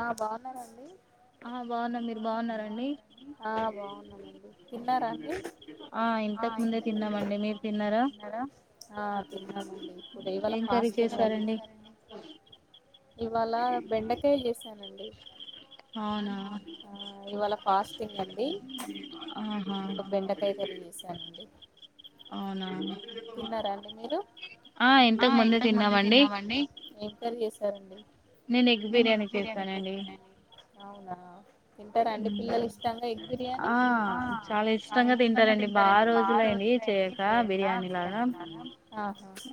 ఆ బాగున్నారాండి ఆ బాగున్నాను అండి తిన్నారా అండి ఆ తిన్నాం అండి ఇప్పుడే ఇవాళ ఫస్టింగ్ అండి ఇవాళ బెండకా తెేల్ చేసానండి ఇవాళ ఫస్టింగ్ అండి ఇంకా బెండకాయ కర్రీ చేసానండి అవునవున తిన్నారాండి మీరు పెళ్ళ ఎస్తారండి నేను ఎగ్ బిర్యానీ చేస్తానండి అవునా తింటారాండి పిల్లలు ఇష్టంగా ఎగ్ బిర్యానీ ఆ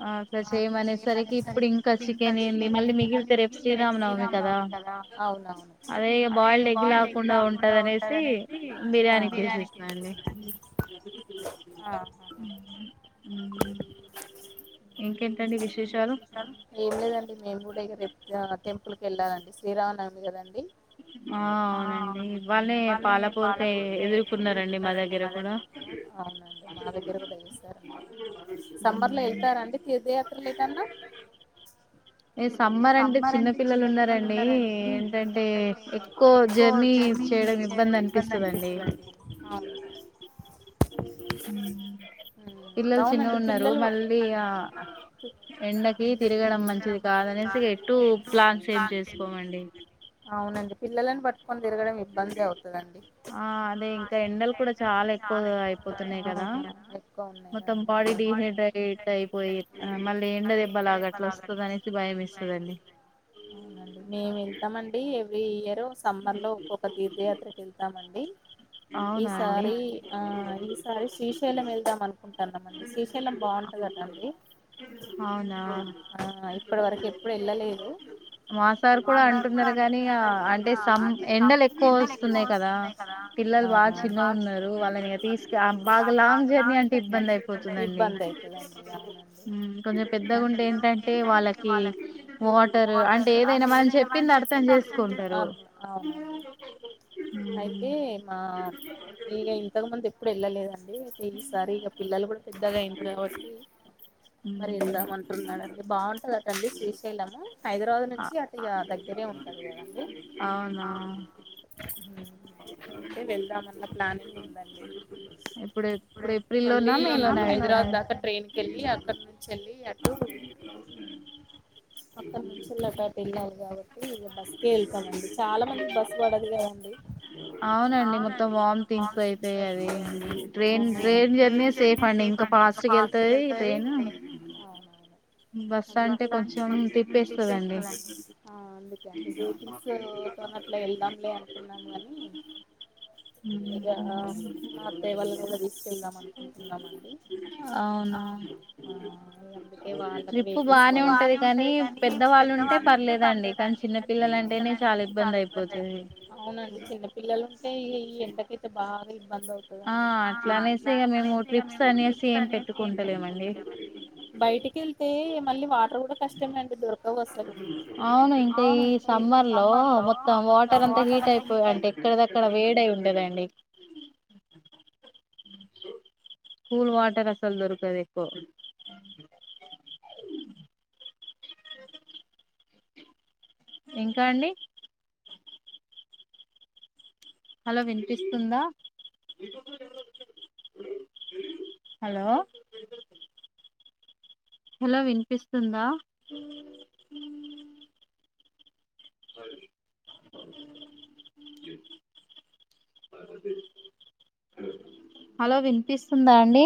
ఆ చేయమనేసరికి ఇప్పుడు ఇంకా చికెన్ చేయండి మళ్ళీ మిగిలితే రేపు శ్రీరామనవమి కదా అదే బాయిల్డ్ ఎగ్ లేకుండా ఉంటది అనేసి బిర్యానీ చేసేసిన అండి ఆవున ఏం లేదండి మేము కూడా ఇరోజ్ రేపు టెంపుల్ కి వెళ్ళాలండి శ్రీరామ నవమి కదండి అవునండి మా దగ్గర కూడా చేస్తారండి సమ్మర్ లో వెళ్తారండి తీర్థయాత్ర ల కాన్న ఎత్తుకొ జర్నీ చేయడం ఇబ్బంది అనిపిస్తాదాండి పిల్లలు చిన్నగా ఉన్నారు మళ్ళీ ఆ ఎండకి తిరగడం మంచిది కాదనేసి ఎటు ప్లాన్స్ ఏం చేసుకోమండి పిల్లలని పట్ ఆ అదే ఇంకా ఎండలు కూడా చాలా ఎక్కువగా అయిపోతున్నాయి కదా మొత్తం బాడీ డిహైడ్రేట్ అయి వునండి మేము వెళ్తామండి తెలివిగ లో సమ్మర్ లో ఒక్కొక తీర్థయాత్రకి వస్తామండి ఈసారి ఆ ఈసారి శ్రీశైలం వెళ్దాం అనుకుంటున్నామండి శ్రీశైలం బావుంటదండి ఇప్పటి వరకు ఎప్పుడు వెళ్ళలేదు పిల్లలు బాగా చిన్న ఉన్నారు వాళ్ళని తీసుక బాగా లాంగ్ జర్నీ అంటే ఇబ్బంది అయిపోతుందండి అవును అయితే ఆ నేను ఇంతకు ముందు ఎప్పుడు వెళ్ళలేదు ఈసారి ఇక పిల్లలు కూడా పెద్దగా అయింది కాబట్టి మరి వెళ్దాం అంటున్నాడండి బాగుంటంద టండి శ్రీశై వెళ్ళాం హైదరాబాద్ నుంచి అటు గా దగ్గరే ఉంటది కదండి అవునా అయితే వెళ్దామన్న ప్లానింగ్ ఉందండి ఇప్పుడు ఇప్పుడు ఏప్రిల్లోనా మే లోన వెళ్తానని వెళ్లి అక్కడ నుంచి వె వెళ్లి అటు అక్కడ నుంచి వెళ్ళి టటు వెళ్ళారు కాబట్టి ఇక బస్కే వెళ్తామండి చాలా మందికి బస్సు పడదు కదండి అవునండి మొత్తం బమ్ సీన్స్ అయి ట్రైన్ ట్రైన్ జర్నీ సేఫ్ అండి ఇంకా ఫాస్ట్గ వెళ్తది ట్రైన్ బస్సు అంటే కొంచెం అే కొంచెం తిప్పేస్తుందండి [inaudible] అవునా బానే ఉంది చిన్న పిల్లలు ఉంటే ఈ ఎండకయితే బాగా బయటికి వెళ్తే మళ్ళీ వాటర్ కూడా కష్టం అవును ఇంకా ఈ సమ్మర్ లో మొత్తం వాటర్ అంతా హీట్ అయిపోయా అంటే ఎక్కడ దక్కడ వేడై ఉంది కూల్ వాటర్ అసలు దొరుకదు ఎక్కువ అ ఇంకా అండి హలో వినిపిస్తుందా హలో హలో వినిపిస్తుందా హలో వినిపిస్తుందా అండీ